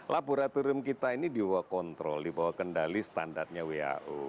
laboratorium kita ini diwak kontrol dibawa kendali standarnya wau